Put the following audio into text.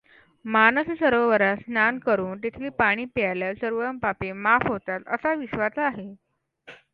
मानस सरोवरात स्नान करून तेथील पाणी प्यायल्यास सर्व पापे माफ होतात असा विश्वास आहे.